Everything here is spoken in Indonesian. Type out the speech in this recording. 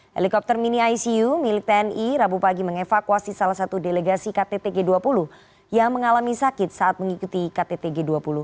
helikopter mini icu milik tni rabu pagi mengevakuasi salah satu delegasi ktt g dua puluh yang mengalami sakit saat mengikuti ktt g dua puluh